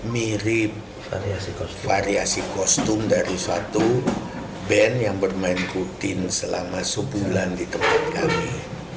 mirip variasi kostum dari suatu band yang bermain putin selama sebulan di tempat kami